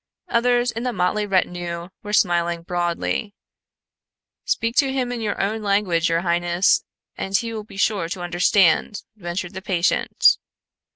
Others in the motley retinue were smiling broadly. "Speak to him in your own language, your highness, and he will be sure to understand," ventured the patient.